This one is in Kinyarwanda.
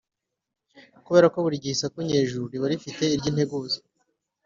Kubera ko buri gihe isaku nyejuru riba rifite iry’integuza,